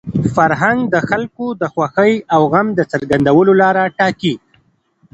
فرهنګ د خلکو د خوښۍ او غم د څرګندولو لاره ټاکي.